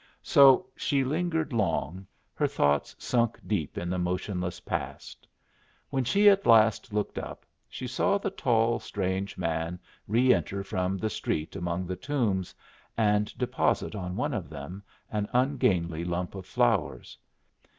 So she lingered long, her thoughts sunk deep in the motionless past. When she at last looked up, she saw the tall, strange man re enter from the street among the tombs, and deposit on one of them an ungainly lump of flowers.